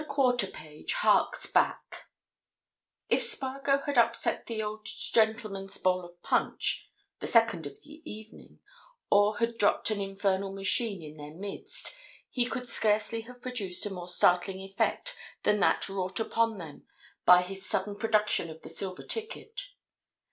QUARTERPAGE HARKS BACK If Spargo had upset the old gentlemen's bowl of punch—the second of the evening—or had dropped an infernal machine in their midst, he could scarcely have produced a more startling effect than that wrought upon them by his sudden production of the silver ticket.